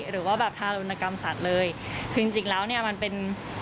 หรือว่าแบบทารุณกรรมสัตว์เลยคือจริงจริงแล้วเนี่ยมันเป็น